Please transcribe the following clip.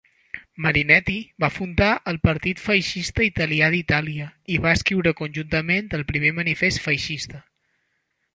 Marinetti va fundar el partit feixista italià d'Itàlia i va escriure conjuntament el primer manifest feixista.